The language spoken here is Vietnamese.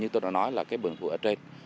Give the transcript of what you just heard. như tôi đã nói là cái bình thường ở trên